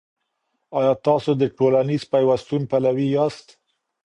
آيا تاسو د ټولنيز پيوستون پلوي ياست؟